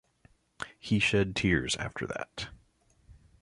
He shed tears after that.